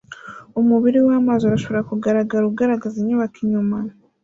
umubiri wamazi urashobora kugaragara ugaragaza inyubako inyuma